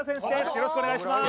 よろしくお願いします